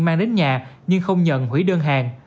mang đến nhà nhưng không nhận hủy đơn hàng